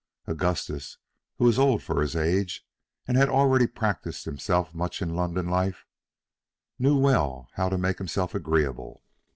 Augustus, who was old for his age, and had already practised himself much in London life, knew well how to make himself agreeable.